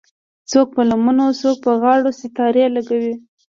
څوک په لمنو څوک په غاړو ستارې لګوي